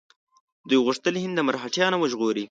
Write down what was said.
دوی غوښتل هند له مرهټیانو وژغوري.